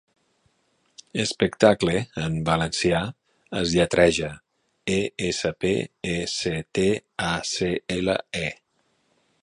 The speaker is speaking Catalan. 'Espectacle' en valencià es lletreja: e, esse, pe, e, ce, te, a, ce, ele, e.